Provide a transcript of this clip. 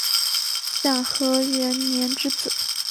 享和元年之子。